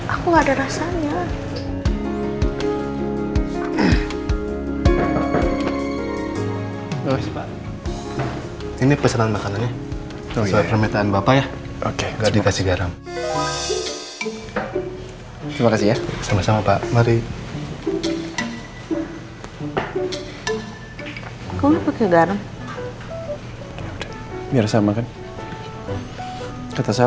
aku nggak ada rasanya